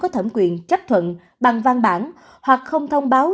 có thẩm quyền trách thuận bằng vang bản hoặc không thông báo